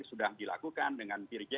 sudah dilakukan dengan